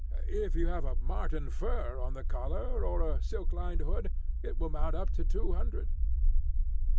If you have a marten fur on the collar, or a silk lined hood, it will mount up to two hundred."